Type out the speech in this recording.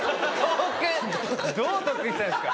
どう特訓したんですか？